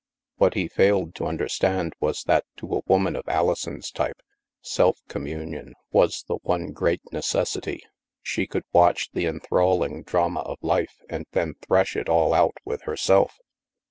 What he failed to understand was that to a woman of Alison's type, self communion was the one great necessity. She could watch the en thralling drama of life and then thresh it all out with herself.